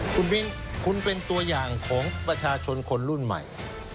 คุณมิ้นคุณเป็นตัวอย่างของประชาชนคนรุ่นใหม่